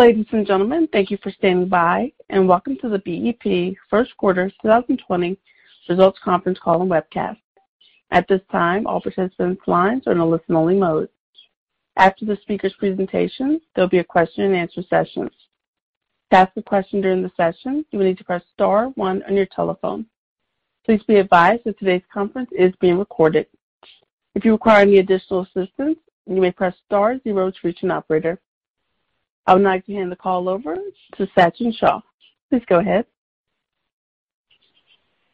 Ladies and gentlemen, thank you for standing by, and welcome to the BEP First Quarter 2020 Results Conference Call and Webcast. At this time, all participants' lines are in a listen-only mode. After the speakers' presentations, there will be a question and answer session. To ask a question during the session, you will need to press star one on your telephone. Please be advised that today's conference is being recorded. If you require any additional assistance, you may press star zero to reach an operator. I would like to hand the call over to Sachin Shah. Please go ahead.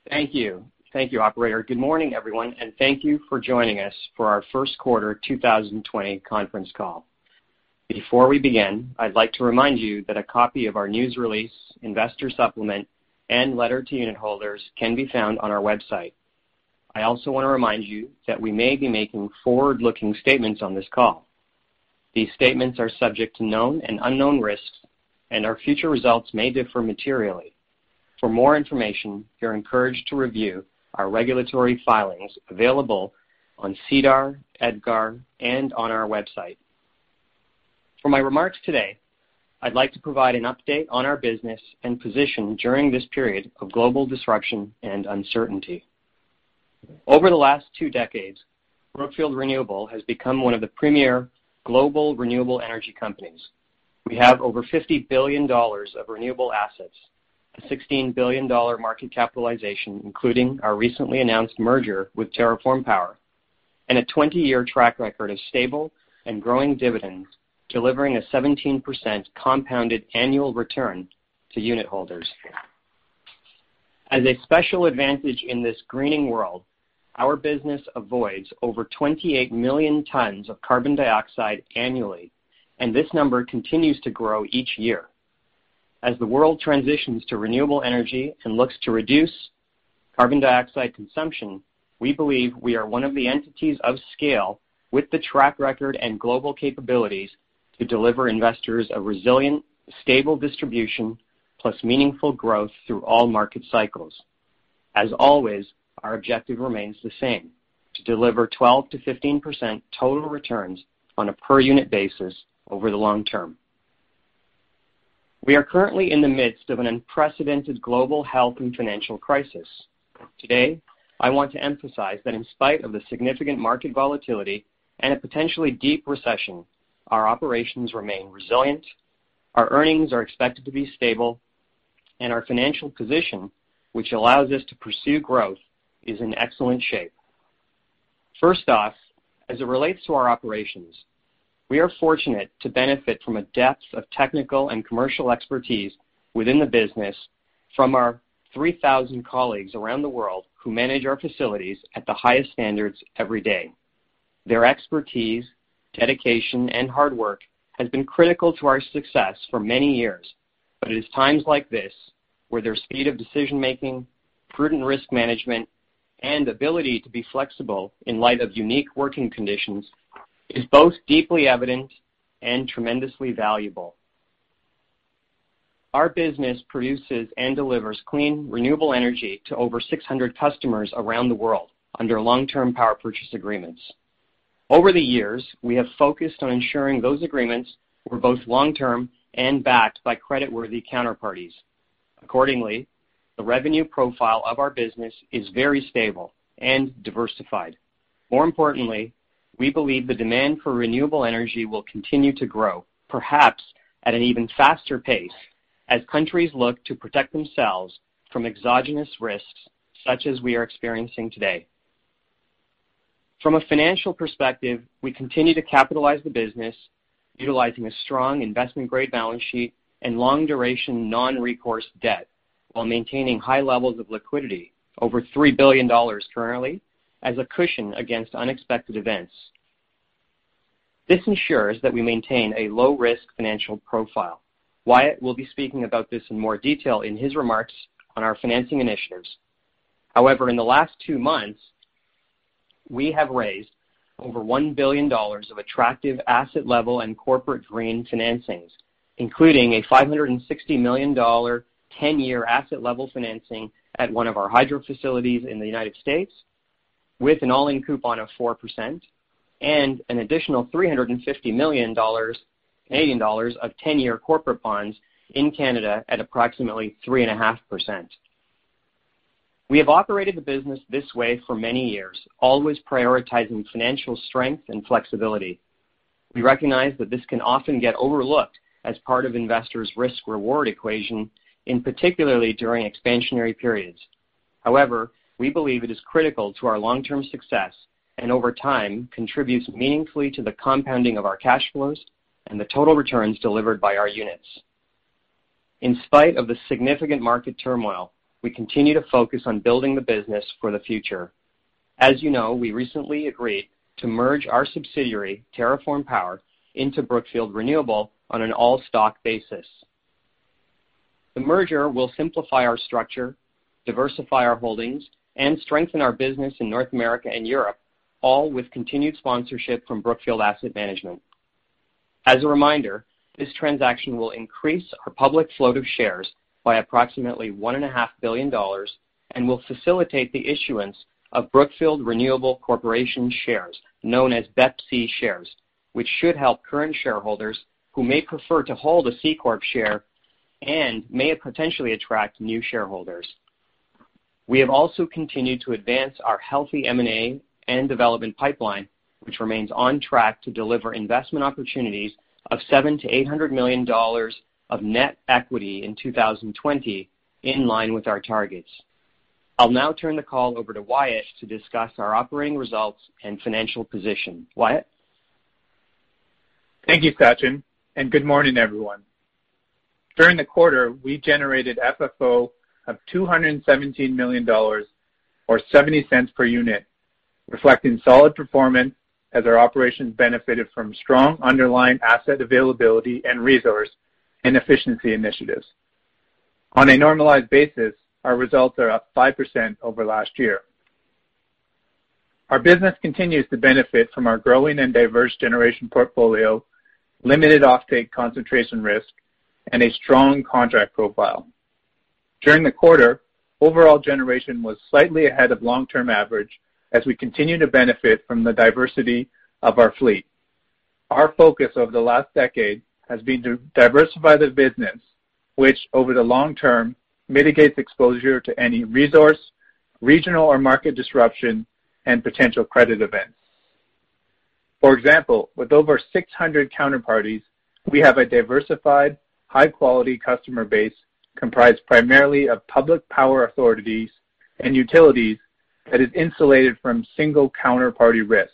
Thank you. Thank you, operator. Good morning, everyone, and thank you for joining us for our first quarter 2020 conference call. Before we begin, I'd like to remind you that a copy of our news release, investor supplement, and letter to unitholders can be found on our website. I also want to remind you that we may be making forward-looking statements on this call. These statements are subject to known and unknown risks, and our future results may differ materially. For more information, you're encouraged to review our regulatory filings available on SEDAR, EDGAR, and on our website. For my remarks today, I'd like to provide an update on our business and position during this period of global disruption and uncertainty. Over the last two decades, Brookfield Renewable has become one of the premier global renewable energy companies. We have over $50 billion of renewable assets, a $16 billion market capitalization, including our recently announced merger with TerraForm Power, and a 20-year track record of stable and growing dividends, delivering a 17% compounded annual return to unit holders. As a special advantage in this greening world, our business avoids over 28 million tons of carbon dioxide annually, and this number continues to grow each year. As the world transitions to renewable energy and looks to reduce carbon dioxide consumption, we believe we are one of the entities of scale with the track record and global capabilities to deliver investors a resilient, stable distribution plus meaningful growth through all market cycles. As always, our objective remains the same- to deliver 12%-15% total returns on a per-unit basis over the long term. We are currently in the midst of an unprecedented global health and financial crisis. Today, I want to emphasize that in spite of the significant market volatility and a potentially deep recession, our operations remain resilient, our earnings are expected to be stable, and our financial position, which allows us to pursue growth, is in excellent shape. First off, as it relates to our operations, we are fortunate to benefit from a depth of technical and commercial expertise within the business from our 3,000 colleagues around the world who manage our facilities at the highest standards every day. Their expertise, dedication, and hard work has been critical to our success for many years. It is times like this where their speed of decision-making, prudent risk management, and ability to be flexible in light of unique working conditions is both deeply evident and tremendously valuable. Our business produces and delivers clean, renewable energy to over 600 customers around the world under long-term power purchase agreements. Over the years, we have focused on ensuring those agreements were both long-term and backed by creditworthy counterparties. Accordingly, the revenue profile of our business is very stable and diversified. More importantly, we believe the demand for renewable energy will continue to grow, perhaps at an even faster pace as countries look to protect themselves from exogenous risks such as we are experiencing today. From a financial perspective, we continue to capitalize the business utilizing a strong investment-grade balance sheet and long-duration non-recourse debt while maintaining high levels of liquidity- over $3 billion currently- as a cushion against unexpected events. This ensures that we maintain a low-risk financial profile. Wyatt will be speaking about this in more detail in his remarks on our financing initiatives. In the last 2 months, we have raised over $1 billion of attractive asset-level and corporate green financings, including a $560 million 10-year asset level financing at one of our hydro facilities in the U.S. with an all-in coupon of 4% and an additional 350 million Canadian dollars of 10-year corporate bonds in Canada at approximately 3.5%. We have operated the business this way for many years, always prioritizing financial strength and flexibility. We recognize that this can often get overlooked as part of investors' risk-reward equation, particularly during expansionary periods. We believe it is critical to our long-term success and over time contributes meaningfully to the compounding of our cash flows and the total returns delivered by our units. In spite of the significant market turmoil, we continue to focus on building the business for the future. As you know, we recently agreed to merge our subsidiary, TerraForm Power, into Brookfield Renewable on an all-stock basis. The merger will simplify our structure, diversify our holdings, and strengthen our business in North America and Europe, all with continued sponsorship from Brookfield Asset Management. As a reminder, this transaction will increase our public float of shares by approximately $1.5 billion, and will facilitate the issuance of Brookfield Renewable Corporation shares, known as BEPC shares, which should help current shareholders who may prefer to hold a C-Corp share and may potentially attract new shareholders. We have also continued to advance our healthy M&A and development pipeline, which remains on track to deliver investment opportunities of $700 million-$800 million of net equity in 2020, in line with our targets. I'll now turn the call over to Wyatt to discuss our operating results and financial position. Wyatt? Thank you, Sachin, and good morning, everyone. During the quarter, we generated FFO of $217 million or $0.70 per unit, reflecting solid performance as our operations benefited from strong underlying asset availability and resource and efficiency initiatives. On a normalized basis, our results are up 5% over last year. Our business continues to benefit from our growing and diverse generation portfolio, limited offtake concentration risk, and a strong contract profile. During the quarter, overall generation was slightly ahead of long-term average as we continue to benefit from the diversity of our fleet. Our focus over the last decade has been to diversify the business, which over the long term, mitigates exposure to any resource, regional or market disruption, and potential credit events. For example, with over 600 counterparties, we have a diversified, high-quality customer base comprised primarily of public power authorities and utilities that is insulated from single counterparty risk.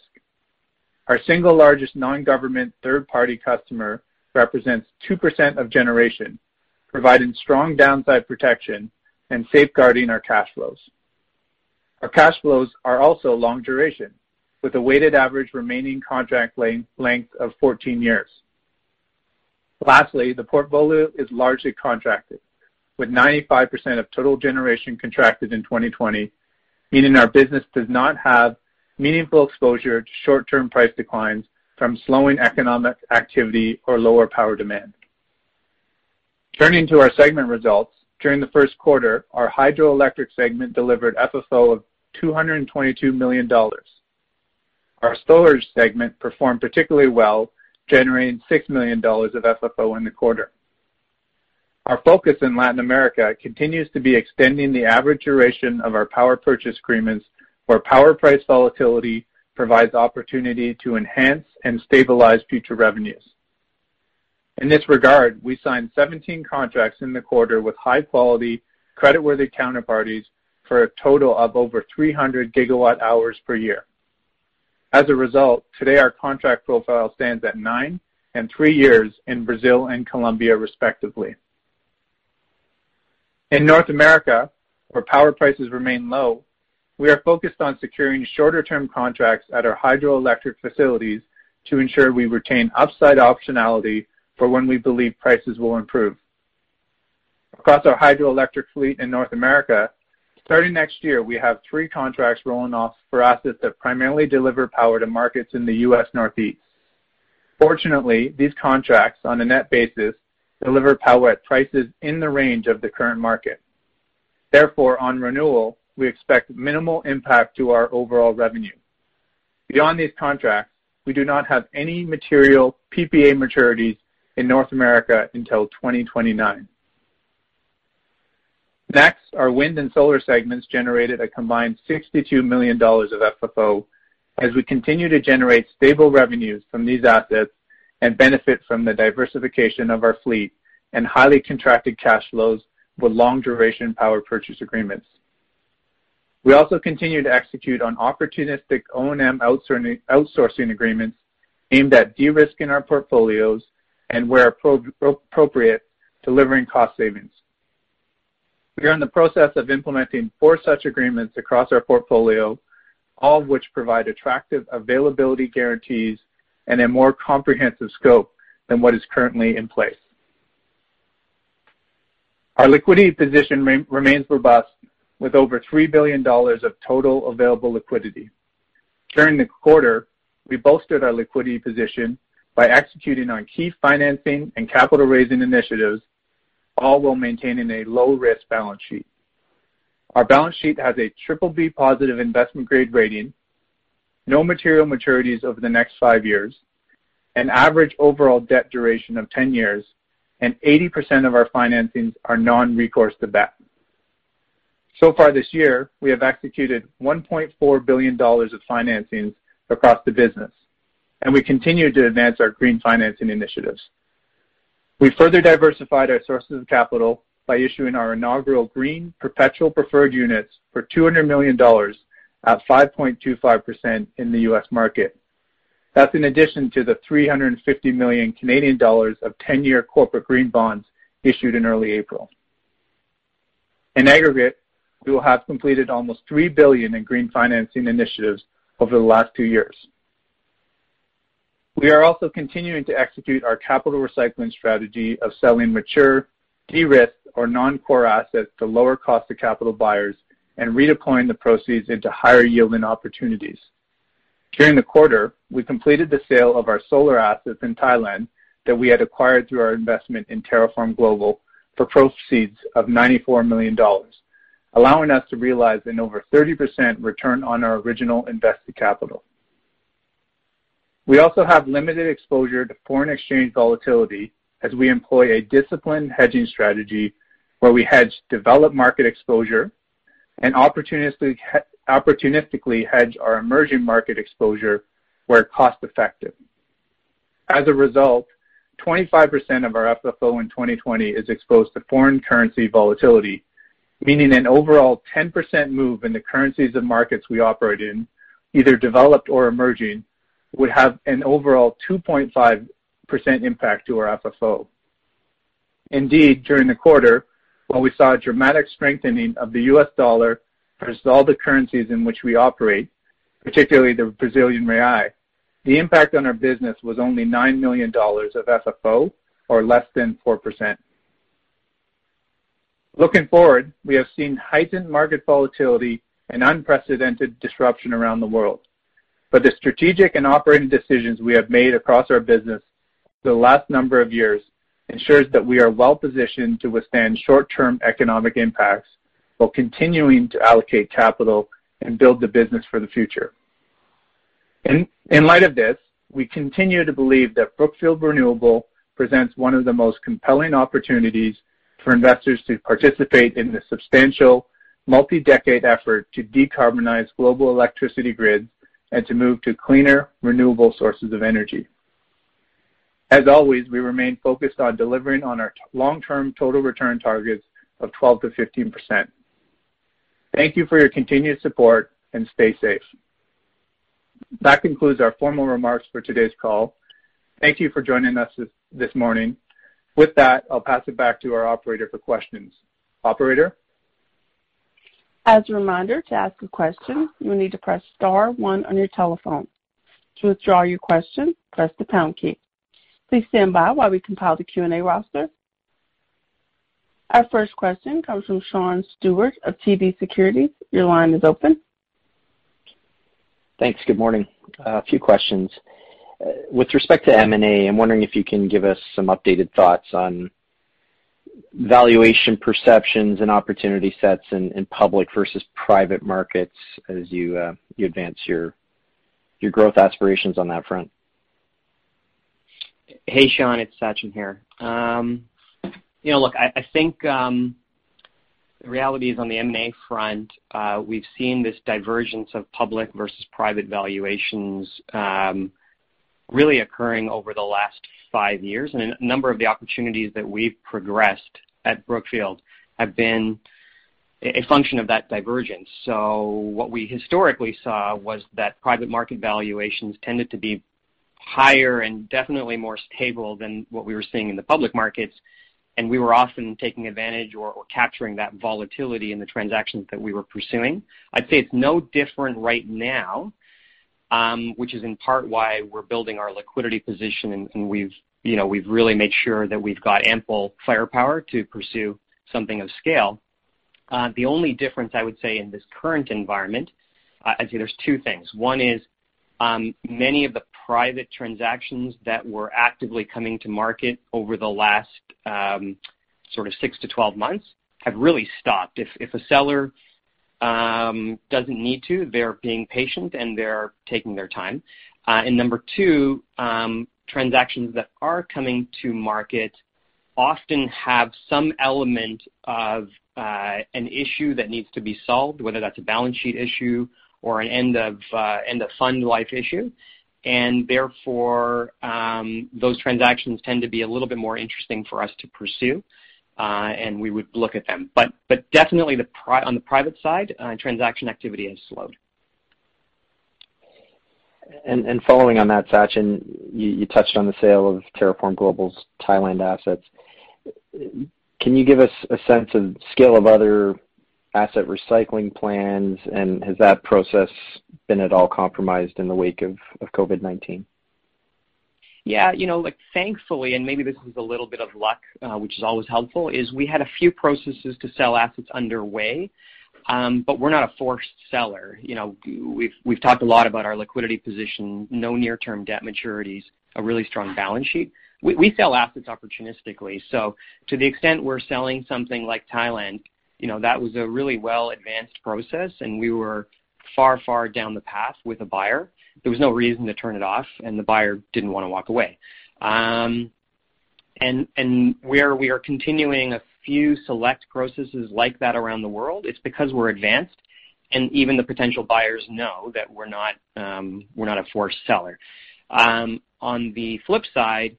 Our single largest non-government third-party customer represents 2% of generation, providing strong downside protection and safeguarding our cash flows. Our cash flows are also long duration, with a weighted average remaining contract length of 14 years. Lastly, the portfolio is largely contracted, with 95% of total generation contracted in 2020, meaning our business does not have meaningful exposure to short-term price declines from slowing economic activity or lower power demand. Turning to our segment results, during the first quarter, our hydroelectric segment delivered FFO of $222 million. Our storage segment performed particularly well, generating $60 million of FFO in the quarter. Our focus in Latin America continues to be extending the average duration of our power purchase agreements where power price volatility provides opportunity to enhance and stabilize future revenues. In this regard, we signed 17 contracts in the quarter with high-quality creditworthy counterparties for a total of over 300 GWh per year. As a result, today our contract profile stands at nine and three years in Brazil and Colombia, respectively. In North America, where power prices remain low, we are focused on securing shorter-term contracts at our hydroelectric facilities to ensure we retain upside optionality for when we believe prices will improve. Across our hydroelectric fleet in North America, starting next year, we have three contracts rolling off for assets that primarily deliver power to markets in the U.S. Northeast. Fortunately, these contracts, on a net basis, deliver power at prices in the range of the current market. Therefore, on renewal, we expect minimal impact to our overall revenue. Beyond these contracts, we do not have any material PPA maturities in North America until 2029. Next, our wind and solar segments generated a combined $62 million of FFO as we continue to generate stable revenues from these assets and benefit from the diversification of our fleet and highly contracted cash flows with long-duration power purchase agreements. We also continue to execute on opportunistic O&M outsourcing agreements aimed at de-risking our portfolios and, where appropriate, delivering cost savings. We are in the process of implementing four such agreements across our portfolio, all of which provide attractive availability guarantees and a more comprehensive scope than what is currently in place. Our liquidity position remains robust with over $3 billion of total available liquidity. During the quarter, we bolstered our liquidity position by executing on key financing and capital-raising initiatives, all while maintaining a low-risk balance sheet. Our balance sheet has a BBB positive investment-grade rating, no material maturities over the next five years, an average overall debt duration of 10 years, and 80% of our financings are non-recourse to BEP. So far this year, we have executed $1.4 billion of financings across the business, and we continue to advance our green financing initiatives. \We further diversified our sources of capital by issuing our inaugural green perpetual preferred units for $200 million at 5.25% in the U.S. market. That's in addition to the 350 million Canadian dollars of 10-year corporate green bonds issued in early April. In aggregate, we will have completed almost $3 billion in green financing initiatives over the last two years. We are also continuing to execute our capital recycling strategy of selling mature, de-risked or non-core assets to lower cost of capital buyers and redeploying the proceeds into higher yielding opportunities. During the quarter, we completed the sale of our solar assets in Thailand that we had acquired through our investment in TerraForm Global for proceeds of $94 million, allowing us to realize an over 30% return on our original invested capital. We also have limited exposure to foreign exchange volatility as we employ a disciplined hedging strategy where we hedge developed market exposure and opportunistically hedge our emerging market exposure where cost-effective. As a result, 25% of our FFO in 2020 is exposed to foreign currency volatility, meaning an overall 10% move in the currencies of markets we operate in, either developed or emerging, would have an overall 2.5% impact to our FFO. During the quarter, while we saw a dramatic strengthening of the U.S. dollar versus all the currencies in which we operate, particularly the Brazilian reais, the impact on our business was only $9 million of FFO, or less than 4%. Looking forward, we have seen heightened market volatility and unprecedented disruption around the world. The strategic and operating decisions we have made across our business for the last number of years ensures that we are well-positioned to withstand short-term economic impacts while continuing to allocate capital and build the business for the future. In light of this, we continue to believe that Brookfield Renewable presents one of the most compelling opportunities for investors to participate in the substantial multi-decade effort to decarbonize global electricity grids and to move to cleaner, renewable sources of energy. As always, we remain focused on delivering on our long-term total return targets of 12%-15%. Thank you for your continued support, and stay safe. That concludes our formal remarks for today's call. Thank you for joining us this morning. With that, I'll pass it back to our operator for questions. Operator? As a reminder, to ask a question, you will need to press star one on your telephone. To withdraw your question, press the pound key. Please stand by while we compile the Q&A roster. Our first question comes from Sean Steuart of TD Securities. Your line is open. Thanks. Good morning. A few questions. With respect to M&A, I'm wondering if you can give us some updated thoughts on valuation perceptions and opportunity sets in public versus private markets as you advance your growth aspirations on that front? Hey, Sean, it's Sachin here. Look, I think the reality is on the M&A front, we've seen this divergence of public versus private valuations really occurring over the last five years. A number of the opportunities that we've progressed at Brookfield have been a function of that divergence. What we historically saw was that- private market valuations tended to be higher and definitely more stable than what we were seeing in the public markets, and we were often taking advantage or capturing that volatility in the transactions that we were pursuing. I'd say it's no different right now, which is in part why we're building our liquidity position and we've really made sure that we've got ample firepower to pursue something of scale. The only difference I would say in this current environment- I'd say there's two things- one is, many of the private transactions that were actively coming to market over the last sort of six to 12 months have really stopped. If a seller doesn't need to, they're being patient, and they're taking their time. Number two, transactions that are coming to market often have some element of an issue that needs to be solved, whether that's a balance sheet issue or an end-of-fund-life issue. Therefore, those transactions tend to be a little bit more interesting for us to pursue. We would look at them. Definitely on the private side, transaction activity has slowed. Following on that, Sachin, you touched on the sale of TerraForm Global's Thailand assets. Can you give us a sense of scale of other asset recycling plans, and has that process been at all compromised in the wake of COVID-19? Yeah. Look, thankfully, and maybe this is a little bit of luck, which is always helpful, is we had a few processes to sell assets underway. We're not a forced seller. We've talked a lot about our liquidity position- no near-term debt maturities, a really strong balance sheet. We sell assets opportunistically. To the extent we're selling something like Thailand, that was a really well-advanced process, and we were far, far down the path with a buyer. There was no reason to turn it off, and the buyer didn't want to walk away. Where we are continuing a few select processes like that around the world, it's because we're advanced, and even the potential buyers know that we're not a forced seller. On the flip side,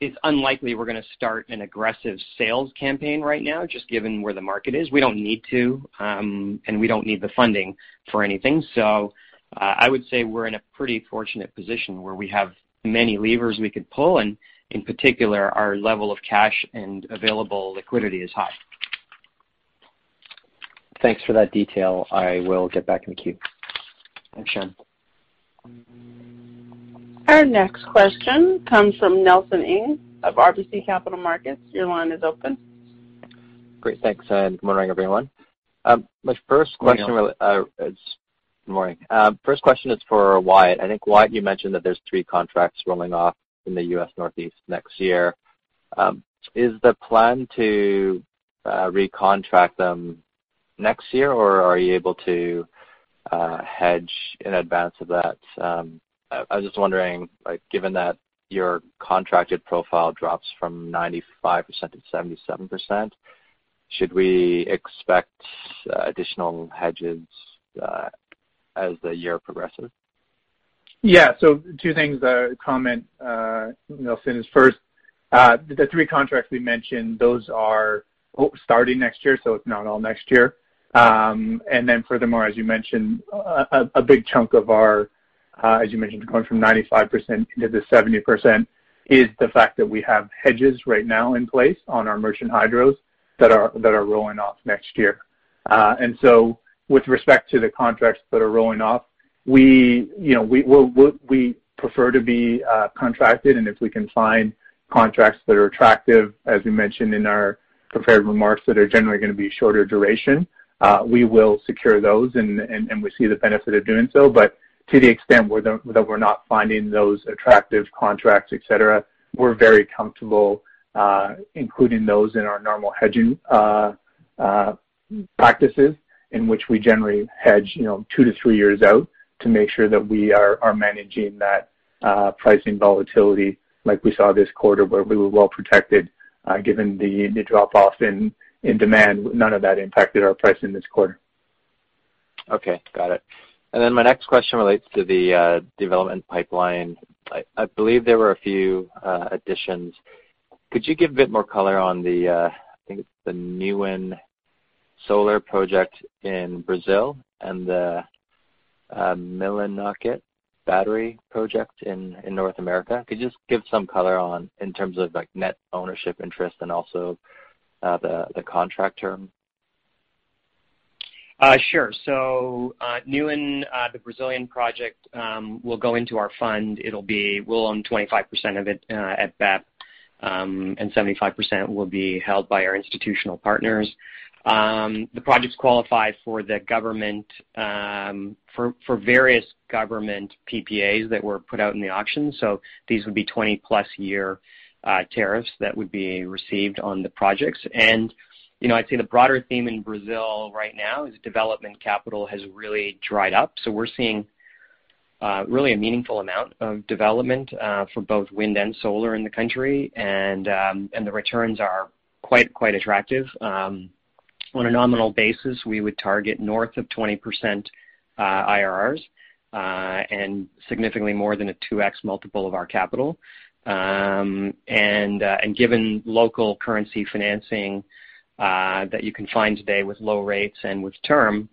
it's unlikely we're going to start an aggressive sales campaign right now, just given where the market is. We don't need to, and we don't need the funding for anything. I would say we're in a pretty fortunate position where we have many levers we could pull, and in particular, our level of cash and available liquidity is high. Thanks for that detail. I will get back in the queue. Thanks, Sean. Our next question comes from Nelson Ng of RBC Capital Markets. Your line is open. Great. Thanks, and good morning, everyone. Good morning. Good morning. First question is for Wyatt. I think, Wyatt, you mentioned that there's three contracts rolling off in the U.S. Northeast next year. Is the plan to recontract them next year, or are you able to hedge in advance of that? I was just wondering, given that your contracted profile drops from 95% to 77%, should we expect additional hedges as the year progresses? Two things to comment, Nelson, is first, the three contracts we mentioned, those are starting next year, so it's not all next year. Furthermore, a big chunk of our, as you mentioned, going from 95% into the 70% is the fact that we have hedges right now in place on our merchant hydros that are rolling off next year. With respect to the contracts that are rolling off, we prefer to be contracted, and if we can find contracts that are attractive, as we mentioned in our prepared remarks, that are generally going to be shorter duration, we will secure those, and we see the benefit of doing so. To the extent that we're not finding those attractive contracts, et cetera, we're very comfortable including those in our normal hedging practices, in which we generally hedge two to three years out to make sure that we are managing that pricing volatility like we saw this quarter, where we were well-protected given the drop-off in demand. None of that impacted our pricing this quarter. Okay. Got it. My next question relates to the development pipeline. I believe there were a few additions. Could you give a bit more color on the Newen solar project in Brazil and the Millinocket battery project in North America? Could you just give some color on in terms of net ownership interest and also the contract term? Sure. Newen, the Brazilian project, will go into our fund. We'll own 25% of it at BEP, and 75% will be held by our institutional partners. The projects qualify for various government PPAs that were put out in the auction. These would be 20-plus year tariffs that would be received on the projects. I'd say the broader theme in Brazil right now is development capital has really dried up. We're seeing really a meaningful amount of development for both wind and solar in the country, and the returns are quite attractive. On a nominal basis, we would target north of 20% IRRs, and significantly more than a 2x multiple of our capital. Given local currency financing that you can find today with low rates and with term,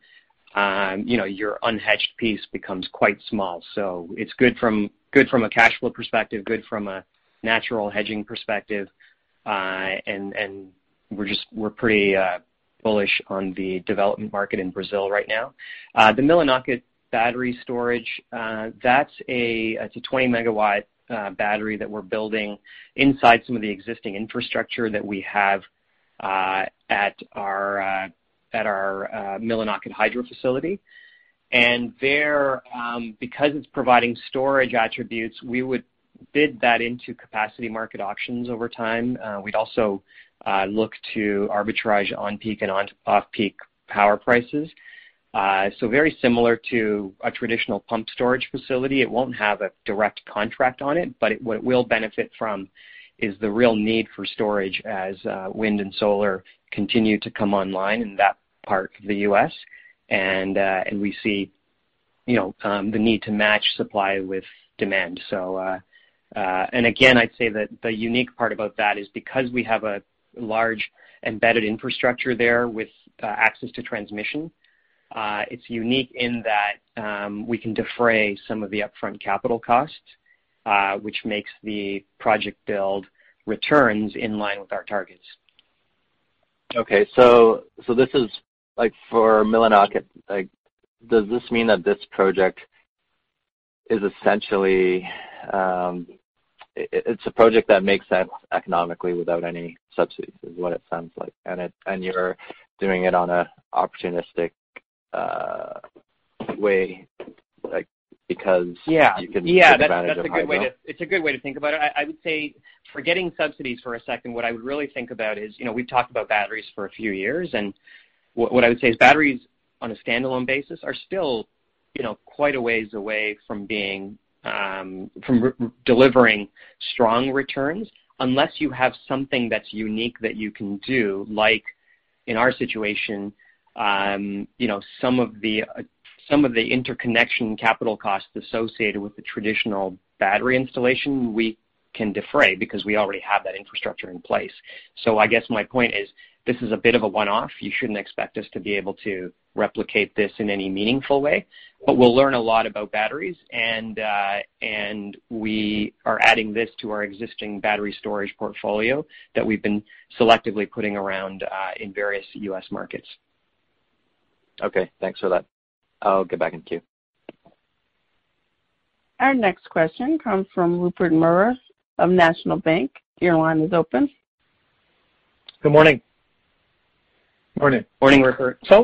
your unhedged piece becomes quite small. It's good from a cash flow perspective, good from a natural hedging perspective. We're pretty bullish on the development market in Brazil right now. The Millinocket battery storage, that's a 20 MW battery that we're building inside some of the existing infrastructure that we have at our Millinocket hydro facility. There, because it's providing storage attributes, we would bid that into capacity market auctions over time. We'd also look to arbitrage on-peak and off-peak power prices. Very similar to a traditional pump storage facility. It won't have a direct contract on it, but what it will benefit from is the real need for storage as wind and solar continue to come online in that part of the U.S., and we see the need to match supply with demand. Again, I'd say that the unique part about that is because we have a large embedded infrastructure there with access to transmission, it's unique in that we can defray some of the upfront capital costs, which makes the project build returns in line with our targets. Okay. For Millinocket, does this mean that this project is essentially a project that makes sense economically without any subsidies, is what it sounds like? And you are doing it on a opportunistic way because... Yeah... ...you can take advantage of hydro? That's a good way to think about it. I would say forgetting subsidies for a second, what I would really think about is, we've talked about batteries for a few years, and what I would say is batteries on a standalone basis are still quite a ways away from delivering strong returns unless you have something that's unique that you can do, like in our situation, some of the interconnection capital costs associated with the traditional battery installation we can defray because we already have that infrastructure in place. I guess my point is, this is a bit of a one-off, you shouldn't expect us to be able to replicate this in any meaningful way, but we'll learn a lot about batteries, and we are adding this to our existing battery storage portfolio that we've been selectively putting around in various U.S. markets. Okay. Thanks for that. I'll get back in queue. Our next question comes from Rupert Merer of National Bank. Your line is open. Good morning. Morning. Morning Rupert. I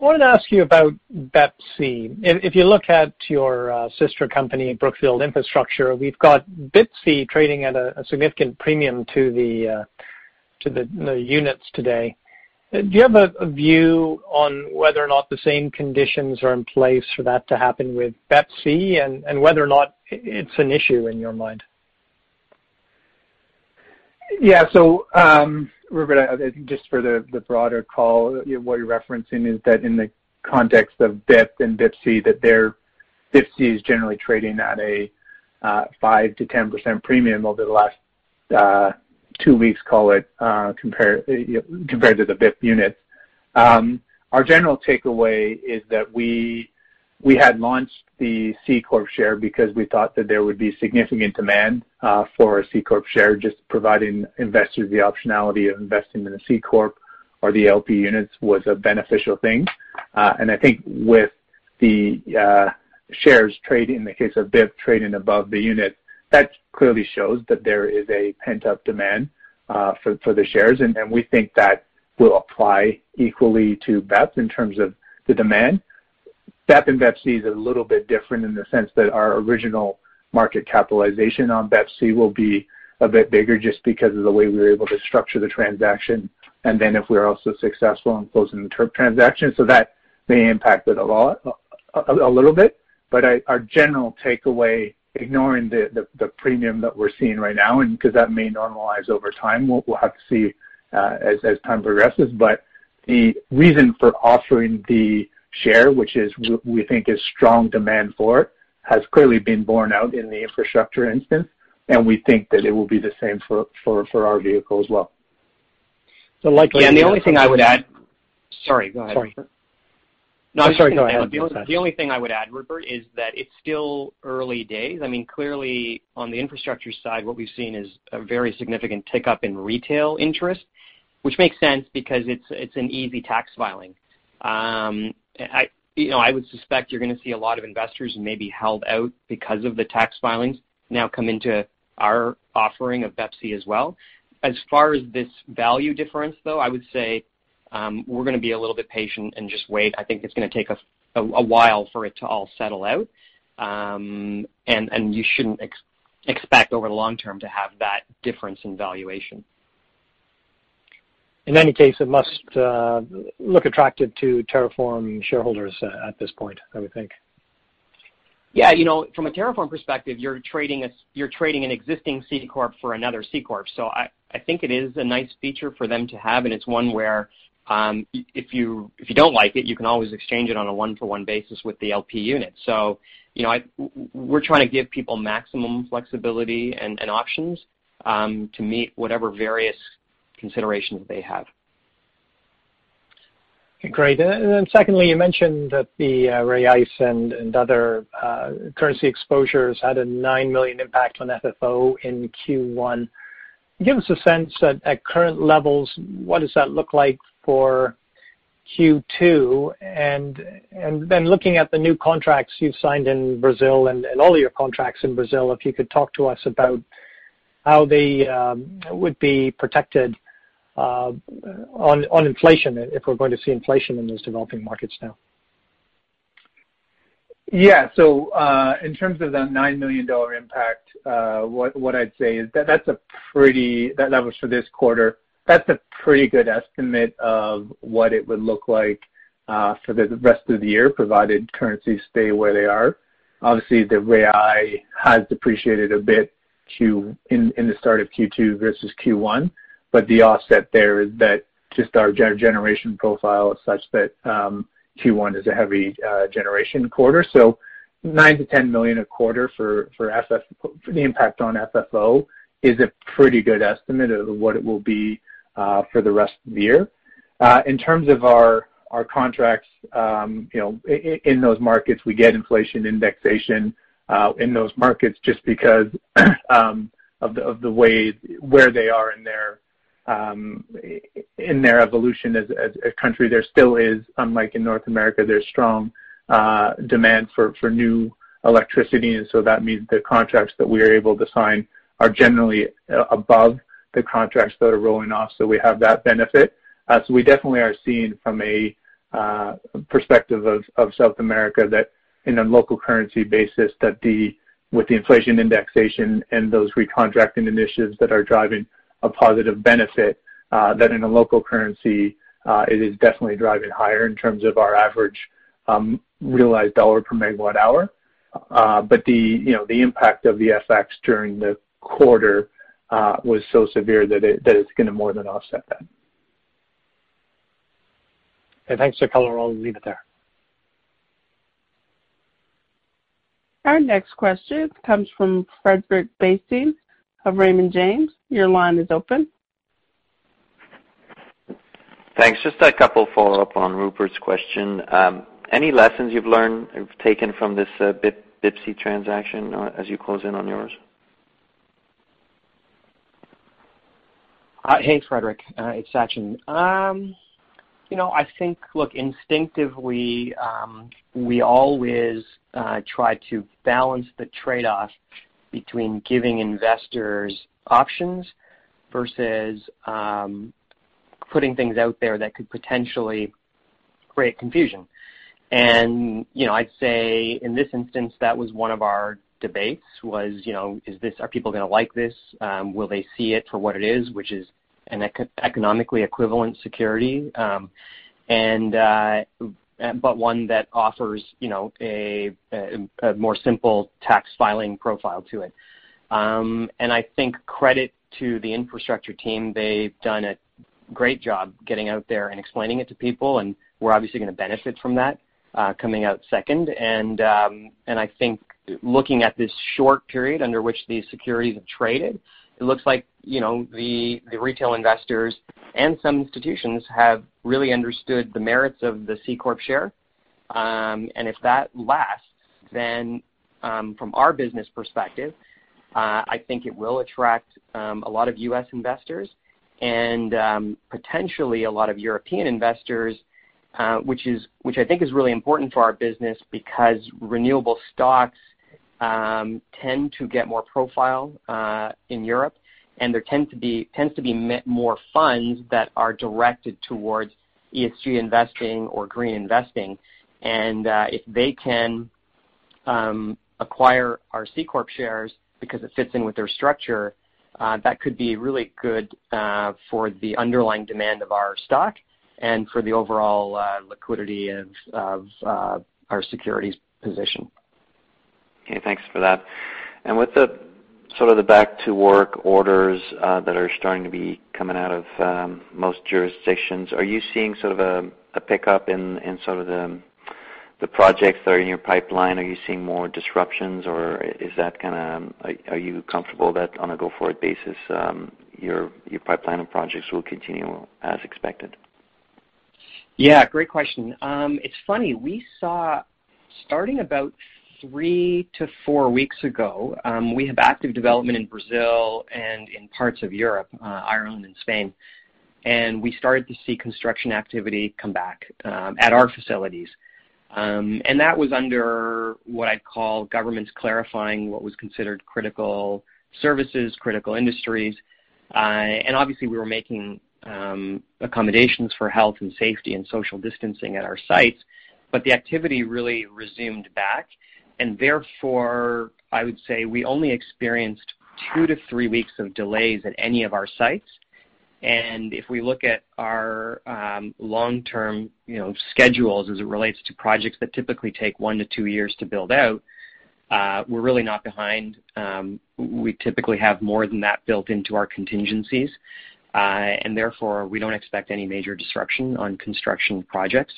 wanted to ask you about BEPC. If you look at your sister company, Brookfield Infrastructure, we've got BIPC trading at a significant premium to the units today. Do you have a view on whether or not the same conditions are in place for that to happen with BEPC and whether or not it's an issue in your mind? Rupert, I think just for the broader call, what you're referencing is that in the context of BEP and BIPC, that BIPC is generally trading at a 5%-10% premium over the last two weeks, call it, compared to the BIP unit. Our general takeaway is that we had launched the C-corp share because we thought that there would be significant demand for a C-corp share, just providing investors the optionality of investing in a C-corp or the LP units was a beneficial thing. I think with the shares trading, in the case of BIP trading above the unit, that clearly shows that there is a pent-up demand for the shares, and we think that will apply equally to BEP in terms of the demand. BEP and BEPC is a little bit different in the sense that our original market capitalization on BEPC will be a bit bigger just because of the way we were able to structure the transaction, if we're also successful in closing the TERP transaction. That may impact it a little bit, but our general takeaway, ignoring the premium that we're seeing right now, and because that may normalize over time, we'll have to see as time progresses, but the reason for offering the share, which is we think is strong demand for it, has clearly been borne out in the infrastructure instance, and we think that it will be the same for our vehicle as well. So likely- Yeah- the only thing I would add- sorry, go ahead. Sorry. No, I'm sorry, go ahead. The only thing I would add, Rupert, is that it's still early days. Clearly on the infrastructure side, what we've seen is a very significant tick-up in retail interest, which makes sense because it's an easy tax filing. I would suspect you're going to see a lot of investors who may be held out because of the tax filings now come into our offering of BEPC as well. As far as this value difference, though, I would say we're going to be a little bit patient and just wait. I think it's going to take a while for it to all settle out. You shouldn't expect over the long term to have that difference in valuation. In any case, it must look attractive to TerraForm shareholders at this point, I would think. Yeah. From a TerraForm perspective, you're trading an existing C Corp for another C Corp. I think it is a nice feature for them to have, and it's one where if you don't like it, you can always exchange it on a one-to-one basis with the LP unit. We're trying to give people maximum flexibility and options to meet whatever various considerations they have. Great. Then secondly, you mentioned that the reais and other currency exposures had a $9 million impact on FFO in Q1. Give us a sense at current levels, what does that look like for Q2? Then looking at the new contracts you've signed in Brazil and all your contracts in Brazil, if you could talk to us about how they would be protected on inflation, if we're going to see inflation in those developing markets now. In terms of that $9 million impact, what I'd say is that was for this quarter. That's a pretty good estimate of what it would look like for the rest of the year, provided currencies stay where they are. The reais has depreciated a bit in the start of Q2 versus Q1, the offset there is that just our generation profile is such that Q1 is a heavy generation quarter. $9 million-$10 million a quarter for the impact on FFO is a pretty good estimate of what it will be for the rest of the year. In terms of our contracts in those markets, we get inflation indexation in those markets just because of the way where they are in their evolution as a country. There still is, unlike in North America, there's strong demand for new electricity, that means the contracts that we are able to sign are generally above the contracts that are rolling off. We have that benefit. We definitely are seeing from a perspective of South America that in a local currency basis, that with the inflation indexation and those recontracting initiatives that are driving a positive benefit, that in a local currency, it is definitely driving higher in terms of our average realized dollar per megawatt hour. The impact of the FX during the quarter was so severe that it's going to more than offset that. Okay. Thanks for color. I'll leave it there. Our next question comes from Frederic Bastien of Raymond James. Your line is open. Thanks. Just a couple follow-up on Rupert's question. Any lessons you've learned or taken from this BIPC transaction as you close in on yours? Hey, Frederic. It's Sachin. I think, look, instinctively, we always try to balance the trade-off between giving investors options versus putting things out there that could potentially create confusion. I'd say in this instance, that was one of our debates was, are people going to like this? Will they see it for what it is, which is an economically equivalent security, but one that offers a more simple tax filing profile to it. I think credit to the infrastructure team, they've done a great job getting out there and explaining it to people, and we're obviously going to benefit from that coming out second. I think looking at this short period under which these securities have traded, it looks like the retail investors and some institutions have really understood the merits of the C Corp share. If that lasts, then from our business perspective, I think it will attract a lot of U.S. investors and potentially a lot of European investors, which I think is really important for our business because renewable stocks tend to get more profile in Europe. There tends to be more funds that are directed towards ESG investing or green investing. And, if they can acquire our C-Corp shares because it fits in with their structure, that could be really good for the underlying demand of our stock and for the overall liquidity of our securities position. Okay, thanks for that. With the back-to-work orders that are starting to be coming out of most jurisdictions, are you seeing a pickup in the projects that are in your pipeline? Are you seeing more disruptions, or are you comfortable that on a go-forward basis, your pipeline of projects will continue as expected? Yeah, great question. It's funny. We saw starting about three-four weeks ago, we have active development in Brazil and in parts of Europe, Ireland and Spain. We started to see construction activity come back at our facilities. That was under what I'd call governments clarifying what was considered critical services, critical industries. Obviously, we were making accommodations for health and safety and social distancing at our sites, but the activity really resumed back. Therefore, I would say we only experienced two-three weeks of delays at any of our sites. If we look at our long-term schedules as it relates to projects that typically take one-two years to build out, we're really not behind. We typically have more than that built into our contingencies. Therefore, we don't expect any major disruption on construction projects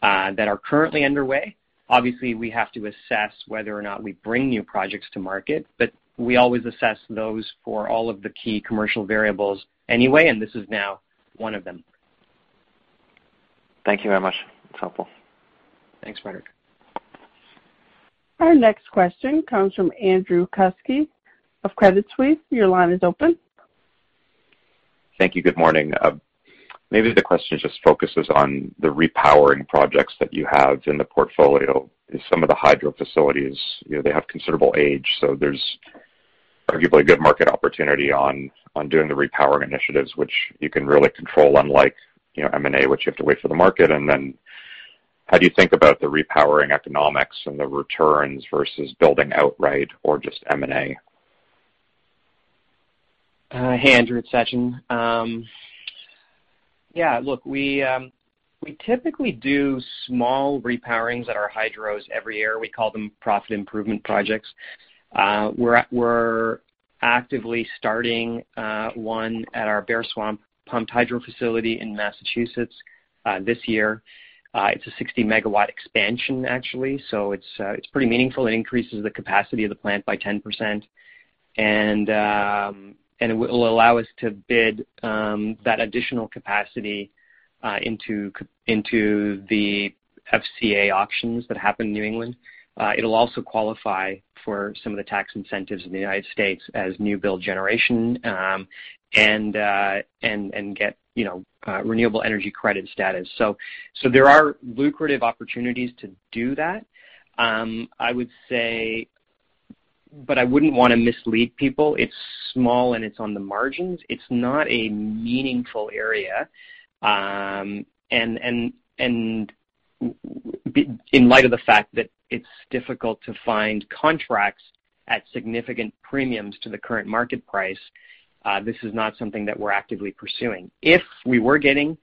that are currently underway. Obviously, we have to assess whether or not we bring new projects to market, but we always assess those for all of the key commercial variables anyway, and this is now one of them. Thank you very much. That's helpful. Thanks, Frederic. Our next question comes from Andrew Kuske of Credit Suisse. Your line is open. Thank you. Good morning. Maybe the question just focuses on the repowering projects that you have in the portfolio. Some of the hydro facilities, they have considerable age, so there's arguably a good market opportunity on doing the repowering initiatives, which you can really control, unlike M&A, which you have to wait for the market. How do you think about the repowering economics and the returns versus building outright or just M&A? Hey, Andrew. It's Sachin. Yeah, look, we typically do small repowerings at our hydros every year. We call them profit improvement projects. We're actively starting one at our Bear Swamp pumped hydro facility in Massachusetts this year. It's a 60-megawatt expansion, actually, so it's pretty meaningful. It increases the capacity of the plant by 10%. It will allow us to bid that additional capacity into the FCA auctions that happen in New England. It'll also qualify for some of the tax incentives in the United States as new build generation, and get renewable energy credit status. There are lucrative opportunities to do that. I would say, but I wouldn't want to mislead people. It's small, and it's on the margins. It's not a meaningful area. In light of the fact that it's difficult to find contracts at significant premiums to the current market price, this is not something that we're actively pursuing. If we were getting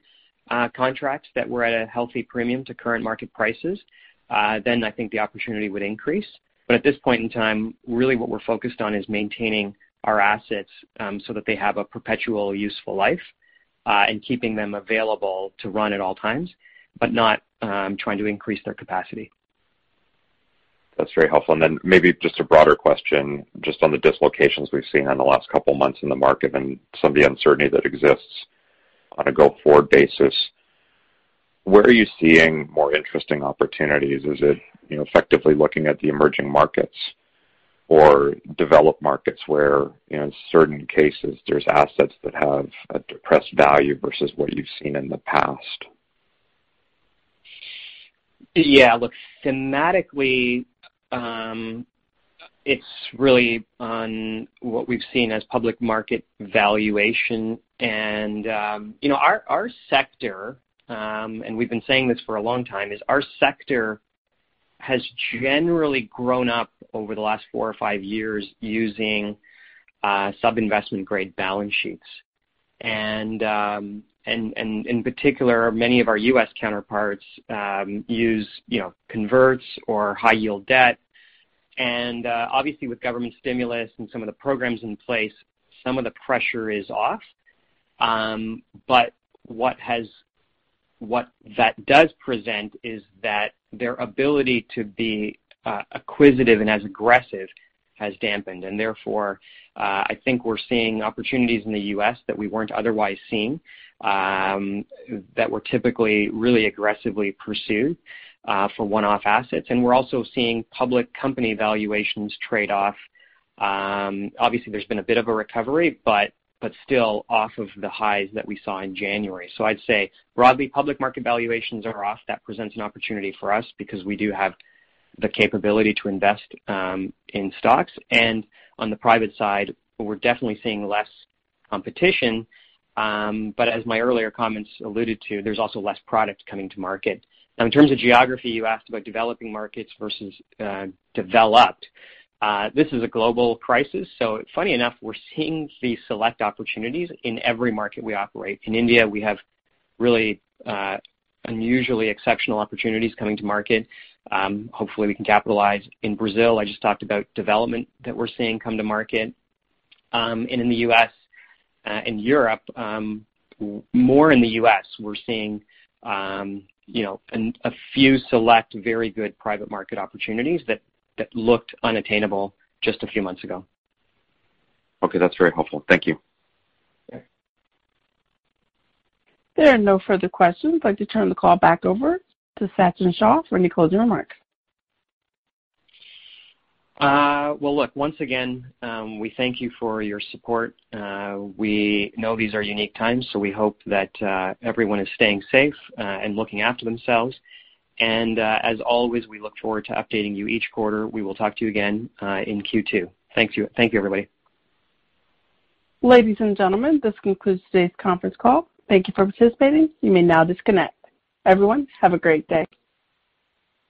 contracts that were at a healthy premium to current market prices, then I think the opportunity would increase. At this point in time, really what we're focused on is maintaining our assets so that they have a perpetual useful life, and keeping them available to run at all times, but not trying to increase their capacity. That's very helpful. Maybe just a broader question, just on the dislocations we've seen in the last couple of months in the market and some of the uncertainty that exists on a go-forward basis. Where are you seeing more interesting opportunities? Is it effectively looking at the emerging markets or developed markets where, in certain cases, there's assets that have a depressed value versus what you've seen in the past? Yeah. Look, thematically, it's really on what we've seen as public market valuation. Our sector- and we've been saying this for a long time, is our sector has generally grown up over the last four or five years using sub-investment grade balance sheets. In particular, many of our U.S. counterparts use converts or high-yield debt. Obviously, with government stimulus and some of the programs in place, some of the pressure is off. What that does present is that their ability to be acquisitive and as aggressive has dampened. Therefore, I think we're seeing opportunities in the U.S. that we weren't otherwise seeing, that were typically really aggressively pursued for one-off assets. We're also seeing public company valuations trade off. Obviously, there's been a bit of a recovery, but still off of the highs that we saw in January. I'd say broadly, public market valuations are off. That presents an opportunity for us because we do have the capability to invest in stocks. On the private side, we're definitely seeing less competition. As my earlier comments alluded to, there's also less product coming to market. In terms of geography, you asked about developing markets versus developed. This is a global crisis, so funny enough, we're seeing the select opportunities in every market we operate. In India, we have really unusually exceptional opportunities coming to market. Hopefully, we can capitalize. In Brazil, I just talked about development that we're seeing come to market. In the U.S. and Europe, more in the U.S., we're seeing a few select, very good private market opportunities that looked unattainable just a few months ago. Okay. That's very helpful. Thank you. There are no further questions. I'd like to turn the call back over to Sachin Shah for any closing remarks. Well, look, once again we thank you for your support. We know these are unique times, so we hope that everyone is staying safe and looking after themselves. As always, we look forward to updating you each quarter. We will talk to you again in Q2. Thank you, everybody. Ladies and gentlemen, this concludes today's conference call. Thank you for participating. You may now disconnect. Everyone, have a great day.